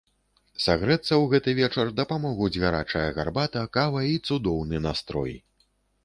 Сагрэцца ў гэты вечар дапамогуць гарачая гарбата, кава і цудоўны настрой!